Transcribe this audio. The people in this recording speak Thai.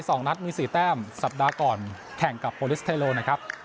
สองนัดมีสี่แต้มสัปดาห์ก่อนแข่งกับโปรลิสเทโลนะครับ